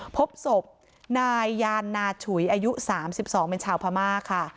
พบศพนายยานนาฉุยอายุ๓๒เป็นชาวพม่าค่ะ